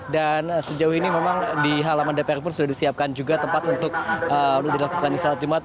dan sejauh ini memang di halaman dpr pun sudah disiapkan juga tempat untuk dilakukan salat jumat